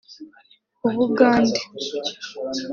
u Bugande